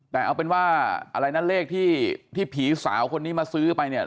แต่เอาเป็นว่าอะไรนะเลขที่ผีสาวคนนี้มาซื้อไปเนี่ย